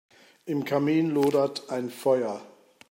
Im Kamin lodert ein Feuer.